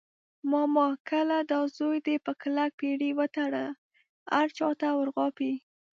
ماما ګله دا زوی دې په کلک پړي وتړله، هر چاته ور غاپي.